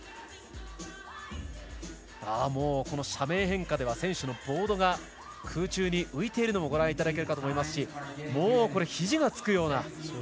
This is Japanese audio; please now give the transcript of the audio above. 斜面変化では、選手のボードが空中に浮いているのもご覧いただけると思いますしひじがつくような。